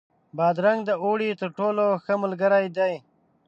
بادرنګ د اوړي تر ټولو ښه ملګری دی.